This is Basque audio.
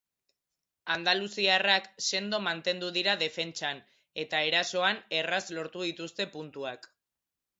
Andaluziarrak sendo mantendu dira defentsan eta erasoan erraz lortu dituzte puntuak.